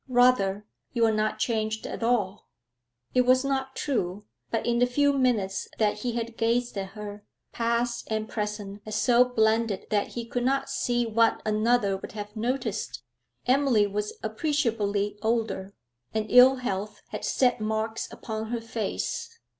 'Rather, you are not changed at all.' It was not true, but in the few minutes that he had gazed at her, past and present had so blended that he could not see what another would have noticed. Emily was appreciably older, and ill health had set marks upon her face.